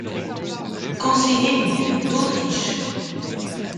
Conseiller du duc d'Autriche.